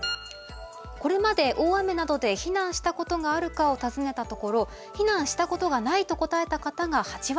これまで大雨などで避難したことがあるかを尋ねたところ避難したことがないと答えた方が８割に上りました。